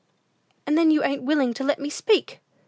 and then you ain't willing to let me speak!"